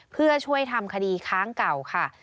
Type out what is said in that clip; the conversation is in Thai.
เพื่อช่วยทำคดีค้างเก่าค่ะ